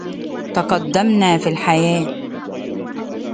تقدمنا في الحياة.